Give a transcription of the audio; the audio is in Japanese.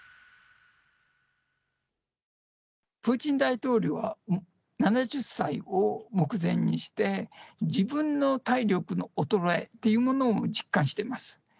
プーチン大統領は７０歳を目前にして、自分の体力の衰えっていうものを実感しています。